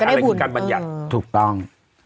อะไรคือการบรรยัติถูกต้อง